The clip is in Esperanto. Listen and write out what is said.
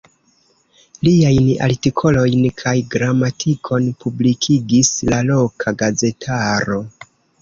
Liajn artikolojn kaj gramatikon publikigis la loka gazetaro.